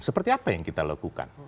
seperti apa yang kita lakukan